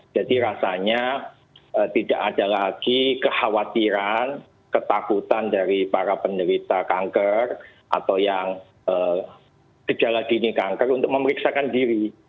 jadi rasanya tidak ada lagi kekhawatiran ketakutan dari para penerita kanker atau yang gejala dini kanker untuk memeriksakan diri